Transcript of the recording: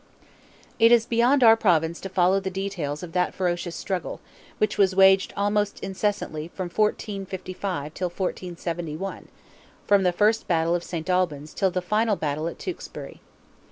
It is beyond our province to follow the details of that ferocious struggle, which was waged almost incessantly from 1455 till 1471—from the first battle of St. Albans till the final battle at Tewksbury.